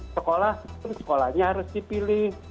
sekolah sekolahnya harus dipilih